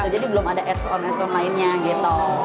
jadi belum ada add on add on lainnya gitu